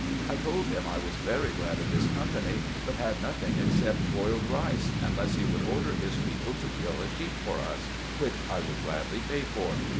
I told him I was very glad of his company, but had nothing except boiled rice, unless he would order his people to kill a sheep for us, which I would gladly pay for.